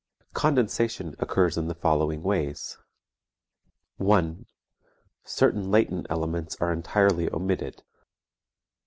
Condensation occurs in the following ways: 1. Certain latent elements are entirely omitted; 2.